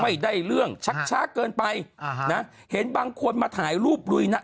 เรื่องชักช้าเกินไปอ่าฮะนะเห็นบางคนมาถ่ายรูปลุยนะ